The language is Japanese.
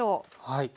はい。